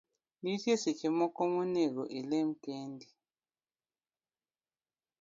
Nitie seche moko ma nego ilem kendi